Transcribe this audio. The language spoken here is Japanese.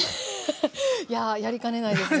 フフッいややりかねないですね。